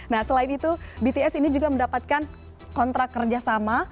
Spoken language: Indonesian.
nah selain itu bts ini juga mendapatkan kontrak kerjasama